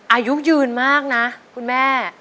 อายุยืนมากนะคุณแม่